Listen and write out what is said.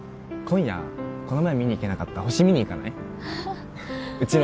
今夜この前見に行けなかった星見に行かない？